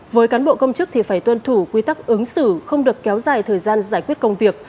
với cán bộ công chức thì phải tuân thủ quy tắc ứng xử không được kéo dài thời gian giải quyết công việc